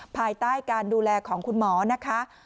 ภายใต้การดูแลของคุณหมอนะคะ